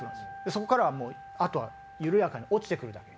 そこからはもうあとは緩やかに落ちてくるだけ。